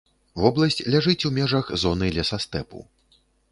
Вобласць ляжыць у межах зоны лесастэпу.